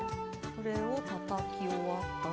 これをたたき終わったら。